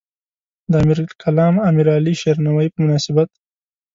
د امیرالکلام امیرعلی شیرنوایی په مناسبت.